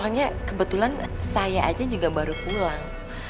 hanya kebetulan saya aja juga baru pulang